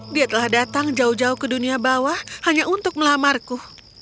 dia telah datang jauh jauh ke dunia bawah hanya untuk melamarku